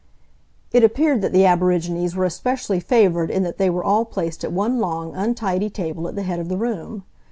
It appeared that the aborigines were especially favored in that they were all placed at one long, untidy table at the head of the room.